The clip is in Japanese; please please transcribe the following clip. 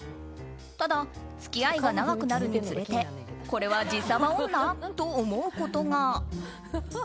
ただ、付き合いが長くなるにつれてこれは自サバ女？と思うことが。